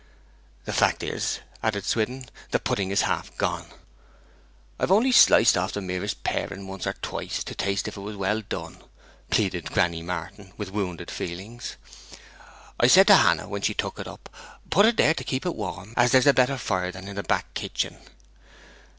'The fact is,' added Swithin, 'the pudding is half gone!' 'I've only sliced off the merest paring once or twice, to taste if it was well done!' pleaded granny Martin, with wounded feelings. 'I said to Hannah when she took it up, "Put it here to keep it warm, as there's a better fire than in the back kitchen."'